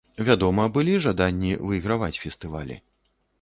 Вядома, былі жаданні выйграваць фестывалі.